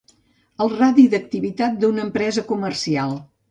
El radi d'activitat d'una empresa comercial.